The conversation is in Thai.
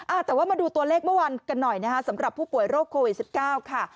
อ่าแต่ว่ามาดูตัวเลขเมื่อวานกันหน่อยนะคะสำหรับผู้ป่วยโรคโควิดสิบเก้าค่ะ